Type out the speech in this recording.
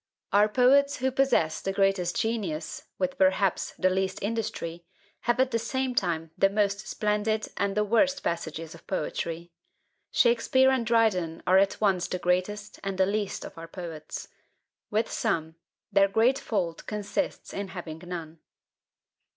Our poets who possess the greatest genius, with perhaps the least industry, have at the same time the most splendid and the worst passages of poetry. Shakspeare and Dryden are at once the greatest and the least of our poets. With some, their great fault consists in having none.